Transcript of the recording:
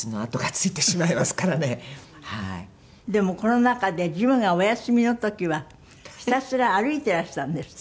でもコロナ禍でジムがお休みの時はひたすら歩いてらしたんですって？